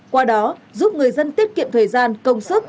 qua đó giúp người dân tiết kiệm thời gian công sức